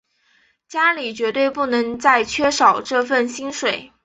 家里绝对不能再缺少这份薪水